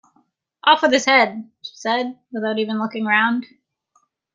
‘Off with his head!’ she said, without even looking round.